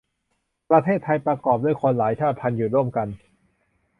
ประเทศไทย ประกอบด้วยคนหลายชาติพันธุ์อยู่ร่วมกัน